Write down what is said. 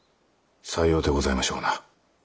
さようでございましょうな。